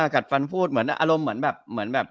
กัดฟันพูดเหมือนอารมณ์แบบ